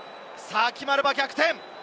決まれば逆転。